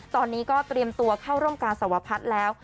ตอนนี้ก็เตรียมตัวเข้าร่วมการสวพัฒน์แล้ว